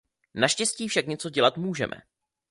Naštěstí však něco dělat můžeme.